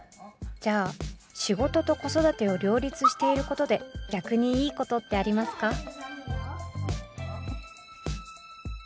じゃあ仕事と子育てを両立していることで逆にいいことってありますか？